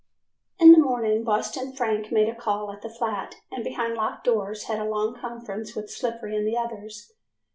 In the morning Boston Frank made a call at the flat, and behind locked doors had a long conference with Slippery and the others.